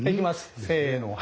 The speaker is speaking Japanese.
せの。